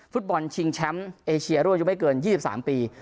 ฟุตบอลชิงแชมป์เอเชียรุ่นอายุไม่เกิน๒๓ปี